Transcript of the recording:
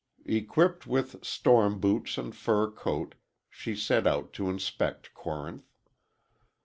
Equipped with storm boots and fur coat, she set out to inspect Corinth.